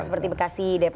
seperti bekasi depok